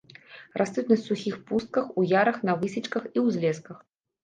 Растуць на сухіх пустках, пустках, у ярах, на высечках і ўзлесках.